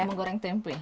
bu menggoreng tempe